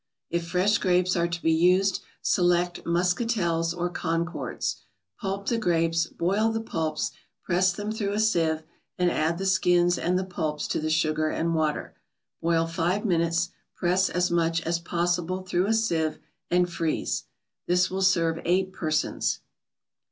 If fresh grapes are to be used, select Muscatels or Concords. Pulp the grapes, boil the pulps, press them through a sieve, and add the skins and the pulps to the sugar and water. Boil five minutes, press as much as possible through a sieve, and freeze. This will serve eight persons.